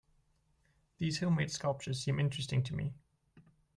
These home-made sculptures seem interesting to me.